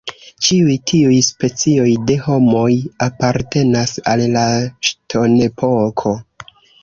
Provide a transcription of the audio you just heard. Ĉiuj tiuj specioj de homoj apartenas al la ŝtonepoko.